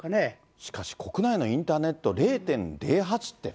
しかし国内のインターネット０．０８ってね。